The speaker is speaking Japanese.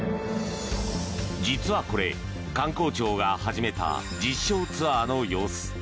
実はこれ、観光庁が始めた実証ツアーの様子。